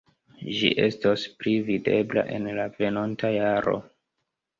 Ĝi estos pli videbla en la venonta jaro.